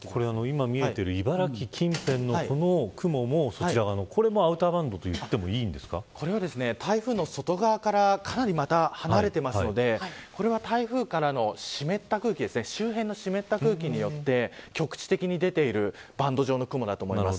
今、見えてる茨城近辺の雲もアウターバンドとこちらは台風の外側からかなり離れているのでこれは台風からの周辺の湿った空気によって局地的に出ているバンド状の雲だと思います。